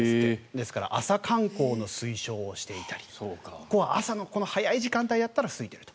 ですから朝観光の推奨をしていたりここは朝の早い時間帯だったらすいていると。